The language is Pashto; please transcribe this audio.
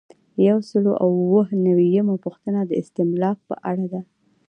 یو سل او اووه نوي یمه پوښتنه د استملاک په اړه ده.